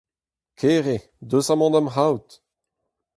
Kere, deus amañ da'm c'haout.